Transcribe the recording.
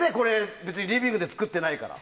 別にリビングで作ってないから。